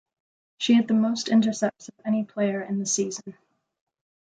She had the most intercepts of any player in the season.